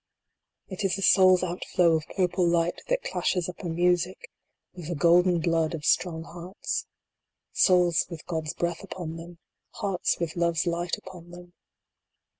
It is the soul s outflow of purple light that clashes up a music with the golden blood of strong hearts. Souls with God s breath upon them, Hearts with Love s light upon them.